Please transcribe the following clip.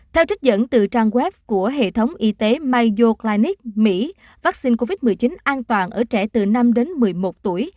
theo trích dẫn từ trang web của hệ thống y tế mayo clanics mỹ vaccine covid một mươi chín an toàn ở trẻ từ năm đến một mươi một tuổi